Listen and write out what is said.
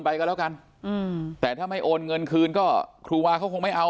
ถ้าวาไม่มาเบียก็ไม่ให้ตังนะ